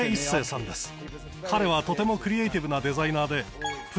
彼はとてもクリエーティブなデザイナーで。